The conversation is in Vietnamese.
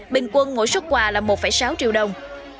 bình quân mỗi xuất quà là một sáu triệu đồng